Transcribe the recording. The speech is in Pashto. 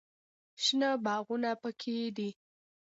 شنه باغونه پکښې دي.